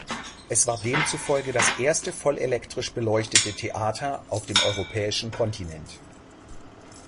Es war demzufolge das erste voll elektrisch beleuchtete Theater auf dem europäischen Kontinent.